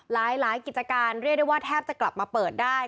หลายกิจการเรียกได้ว่าแทบจะกลับมาเปิดได้